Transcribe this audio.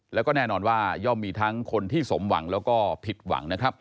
แล้วก็แน่นอนว่าย่อมมีทั้งคนที่สมหวังแล้วก็ผิดหวังนะครับ